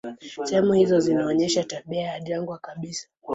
Sehemu hizo zinaonyesha tabia ya jangwa kabisa.